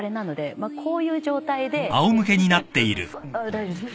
大丈夫です。